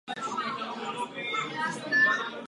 Původní mlýn byla dřevěná stavba na kamenné podezdívce.